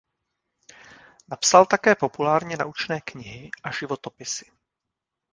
Napsal také populárně naučné knihy a životopisy.